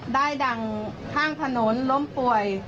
ดั่งข้างถนนล้มป่วย